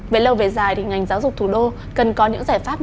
về lâu về dài thì ngành giáo dục thủ đô cần có những giải pháp